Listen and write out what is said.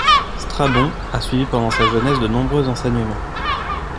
Strabon a suivi pendant sa jeunesse de nombreux enseignements.